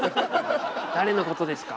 誰のことですか？